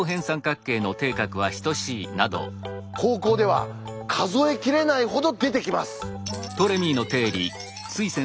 高校では数え切れないほど出てきます。